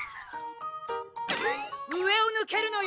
うえをぬけるのよ！